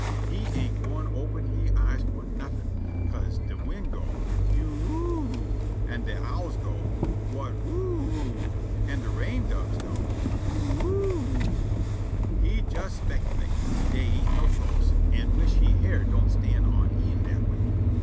He ain't gwine open he eyes fo' nuffin', 'ca'se de wind go, "You you o o o!" an' de owls go, "Whut whoo o o o!" an' de rain doves go, "Oo oo o o o!" He jes speculate', "Dey ain't no ghosts," an' wish' he hair don't stand on ind dat way.